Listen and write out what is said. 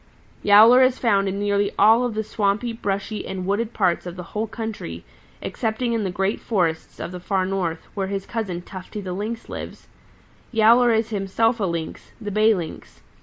"Yowler is found in nearly all of the swampy, brushy and wooded parts of the whole country, excepting in the great forests of the Far North, where his cousin Tufty the Lynx lives. Yowler is himself a Lynx, the Bay Lynx.